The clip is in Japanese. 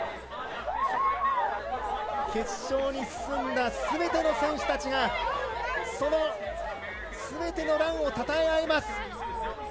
決勝に進んだすべての選手たちが、そのすべてのランをたたえ合います。